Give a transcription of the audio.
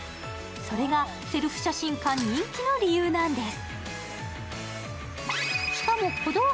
それがセルフ写真館人気の理由なんです。